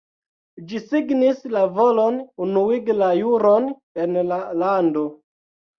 Ĝi signis la volon unuigi la juron en la lando.